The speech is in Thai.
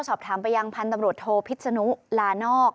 สอบถามไปยังพันธุ์ตำรวจโทพิษนุลานอก